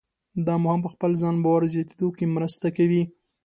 دا مو هم په خپل ځان باور زیاتېدو کې مرسته کوي.